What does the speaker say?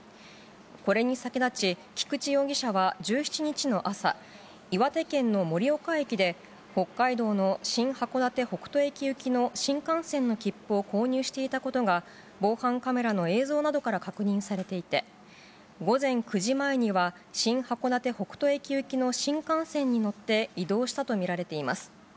これに先立ち、菊池容疑者は１７日の朝、岩手県の盛岡駅で北海道の新函館北斗駅行きの新幹線の切符を購入していたことが、防犯カメラの映像などから確認されていて、午前９時前には、新函館北斗駅行きの新幹線に乗って移動したと見られています。